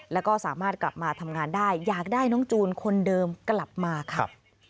แล้วก็สามารถกลับมาทำงานได้อยากได้น้องจูนคนเดิมกลับมาครับ